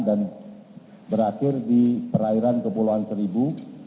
dan berakhir di perairan kepulauan seribu